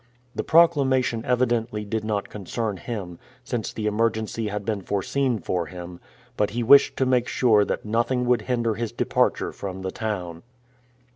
The proclamation evidently did not concern him, since the emergency had been foreseen for him, but he wished to make sure that nothing would hinder his departure from the town.